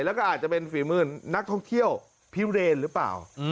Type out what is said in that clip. แล้วก็อาจจะเป็นฝีมือนักท่องเที่ยวพิวเรนหรือเปล่า